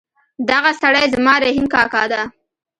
دغه سړی زما رحیم کاکا ده